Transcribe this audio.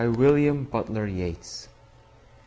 William Butler Yeats. b.